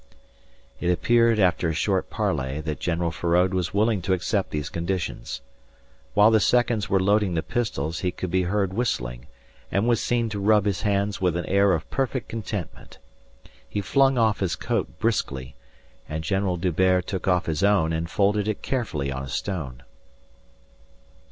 It appeared after a short parley that General Feraud was willing to accept these conditions. While the seconds were loading the pistols he could be heard whistling, and was seen to rub his hands with an air of perfect contentment. He flung off his coat briskly, and General D'Hubert took off his own and folded it carefully on a stone.